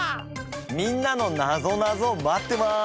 みんなのなぞなぞ待ってます。